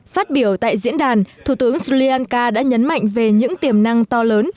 phát biểu tại diễn đàn thủ tướng sri lanka đã nhấn mạnh về những tiềm năng to lớn